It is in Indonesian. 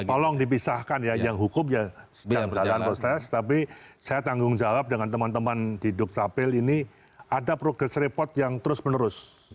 tolong dipisahkan ya yang hukum ya sedang berjalan proses tapi saya tanggung jawab dengan teman teman di dukcapil ini ada progress report yang terus menerus